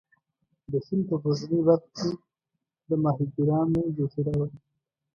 د سیند په پورتنۍ برخه کې د ماهیګیرانو جزیره وه.